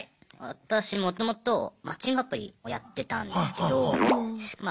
私もともとマッチングアプリをやってたんですけどまあ